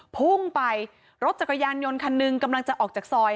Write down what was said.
พุ่งไปรถจักรยานยนต์คันหนึ่งกำลังจะออกจากซอย